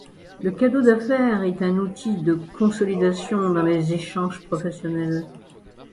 Le cadeau d’affaires est un outil de consolidation dans les échanges professionnels.